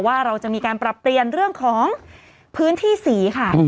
ว่าเราจะมีการปรับเปลี่ยนเรื่องของพื้นที่สีค่ะ